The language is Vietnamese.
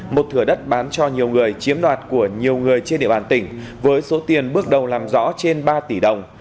một thửa đất bán cho nhiều người chiếm đoạt của nhiều người trên địa bàn tỉnh với số tiền bước đầu làm rõ trên ba tỷ đồng